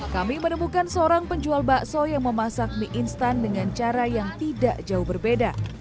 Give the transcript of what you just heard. kami menemukan seorang penjual bakso yang memasak mie instan dengan cara yang tidak jauh berbeda